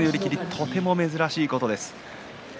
とても珍しいことです。